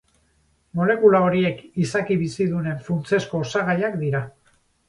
Molekula horiek izaki bizidunen funtsezko osagaiak dira.